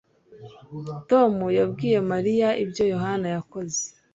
Tom yabwiye Mariya ibyo Yohana yakoze